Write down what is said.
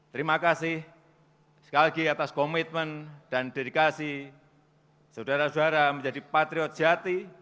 terima kasih sekali lagi atas komitmen dan dedikasi saudara saudara menjadi patriot jati